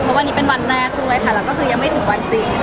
เพราะวันนี้เป็นวันแรกด้วยค่ะแล้วก็คือยังไม่ถึงวันจริง